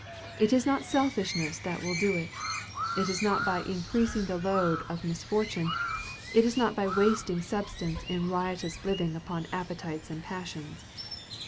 It is not selfishness that will do it; it is not by increasing the load of misfortune, it is not by wasting substance in riotous living upon appetites and passions.